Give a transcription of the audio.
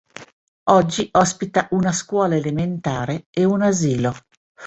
Oggi ospita una scuola elementare e un asilo.